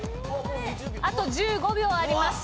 あと１５秒あります。